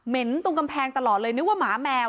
ตรงกำแพงตลอดเลยนึกว่าหมาแมว